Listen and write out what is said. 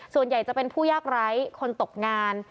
ส่วนใหญ่จะเป็นผู้ยากไร้คนตกงาน